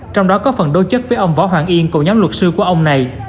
trong đó có phần đối chất với ông võ hoàng yên cùng nhóm luật sư của ông này